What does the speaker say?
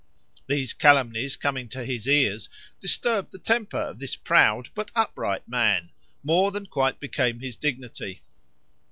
These calumnies coming to his ears, disturbed the temper of this proud but upright man, more than quite became his dignity.